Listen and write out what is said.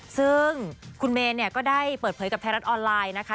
ซึ่งคุณเมย์เนี่ยก็ได้เปิดเผยกับไทยรัฐออนไลน์นะคะ